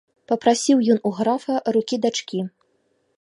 Папрасіў ён у графа рукі дачкі.